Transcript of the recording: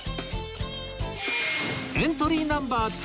エントリーナンバー２